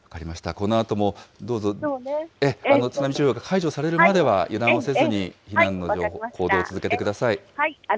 このあとも、どうぞ、津波注意報が解除されるまでは油断をせずに、避難の行動を続けてください。